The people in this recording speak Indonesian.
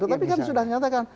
tapi kan sudah menyatakan